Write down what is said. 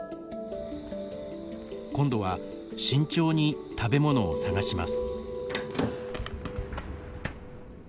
今度は、慎重に食べ物を探します。